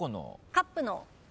カップの。